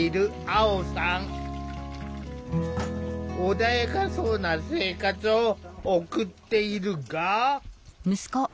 穏やかそうな生活を送っているが。